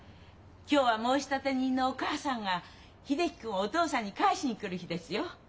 今日は申立人のお母さんが秀樹君をお父さんに返しに来る日ですよ。